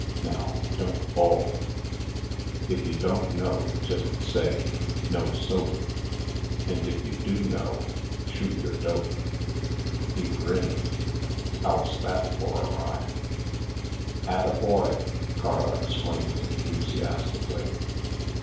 Now, don't bull. If you don't know, just say, 'No soap,' and if you do know, shoot your dope." He grinned. "How's that for a rime?" "Atta boy!" Carl exclaimed enthusiastically.